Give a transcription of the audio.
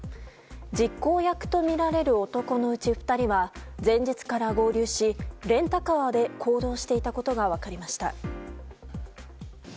実行役とみられる男のうち２人は前日から合流しレンタカーで行動していたことが分かりました。